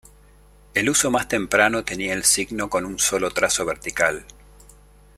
El uso más temprano tenía el signo con un solo trazo vertical.